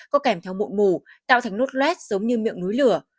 có kèm theo mụn mủ tạo thành nốt luet giống như miệng núi lửa